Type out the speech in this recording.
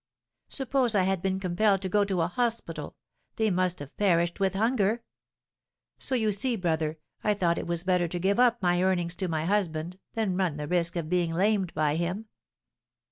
Suppose I had been compelled to go to a hospital, they must have perished with hunger. So, you see, brother, I thought it was better to give up my earnings to my husband than run the risk of being lamed by him."